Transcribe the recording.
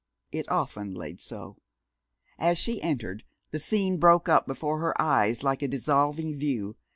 It often lay so. As she entered, the scene broke up before her eyes like a dissolving view.